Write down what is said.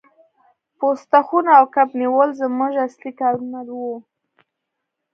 پوسته خونه او کب نیول زموږ اصلي کارونه وو